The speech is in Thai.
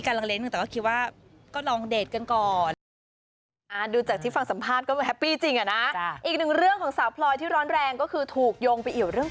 อะไรอย่างนี้ก็มีการรังเลหนึ่ง